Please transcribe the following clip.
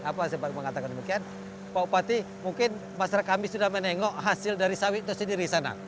apa saya mengatakan demikian pak bupati mungkin masyarakat kami sudah menengok hasil dari sawit itu sendiri sana